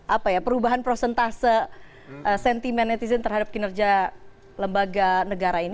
apa ya perubahan prosentase sentimen netizen terhadap kinerja lembaga negara ini